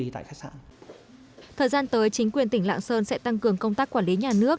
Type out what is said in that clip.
thời gian tới chính quyền tỉnh lạng sơn sẽ tăng cường công tác quản lý nhà nước